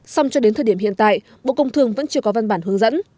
xong cho đến thời điểm hiện tại bộ công thương vẫn chưa có văn bản hướng dẫn